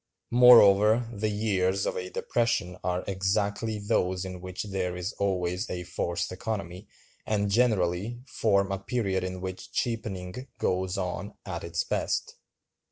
Moreover, the years of a depression are exactly those in which there is always a forced economy, and generally form a period in which cheapening goes on at its best.